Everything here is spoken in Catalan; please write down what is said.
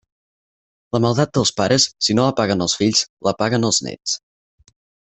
La maldat dels pares, si no la paguen els fills, la paguen els néts.